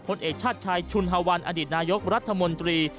เอกชาติชายชุนฮาวันอดีตนายกรัฐมนตรี